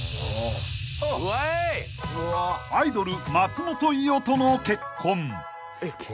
［アイドル松本伊代との結婚］